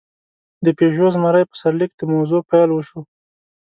د «پيژو زمری» په سرلیک د موضوع پېل وشو.